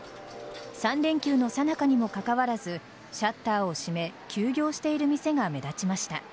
３連休のさなかにもかかわらずシャッターを閉め休業している店が目立ちました。